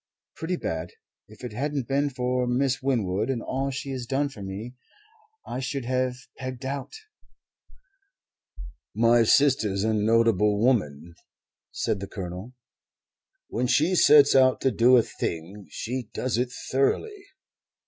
"Pretty bad. If it hadn't been for Miss Winwood and all she has done for me, I should have pegged out." "My sister's a notable woman," said the Colonel. "When she sets out to do a thing she does it thoroughly."